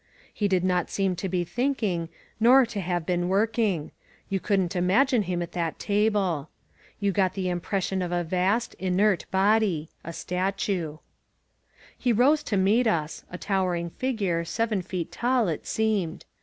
He did not seem to be thinking, nor to have been working, — ^you couldn't imagine him at that table. You got the im pression of a vast, inert body — a statue. 278 INSUKGEXT MEXICO He rose to meet as, a towering figure, seren feet tall it seemed.